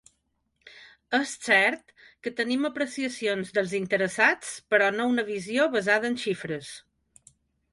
És cert que tenim apreciacions dels interessats, però no una visió basada en xifres.